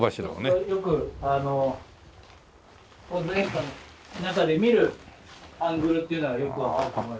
よく小津映画の中で見るアングルっていうのがよくわかると思います。